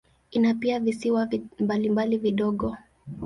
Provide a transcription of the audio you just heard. Ina pia visiwa mbalimbali vidogo.